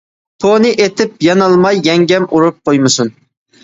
پونى ئېتىپ يانالماي، يەڭگەم ئۇرۇپ قويمىسۇن.